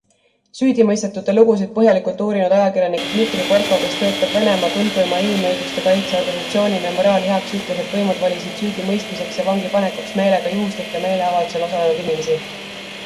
Süüdimõistetute lugusid põhjalikult uurinud ajakirjanik Dmitri Borko, kes töötab Venemaa tuntuima inimõigustekaitseorganisatsiooni Memoriaal heaks, ütles, et võimud valisid süüdimõistmiseks ja vangipanekuks meelega juhuslikke meeleavaldusel osalenud inimesi.